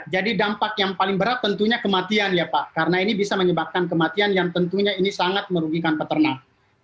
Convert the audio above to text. jadi dampak yang paling berat tentunya kematian ya pak karena ini bisa menyebabkan kematian yang tentunya ini sangat merugikan peternak